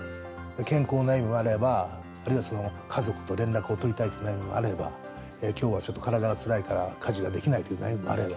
健康の悩みもあれば、あるいは家族と連絡を取りたいという悩みもあれば、きょうはちょっと体がつらいから、家事ができないという悩みがあれば。